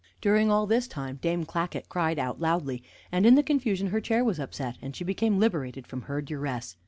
During all this time Dame Clackett cried out loudly, and in the confusion her chair was upset, and she became liberated from her duress.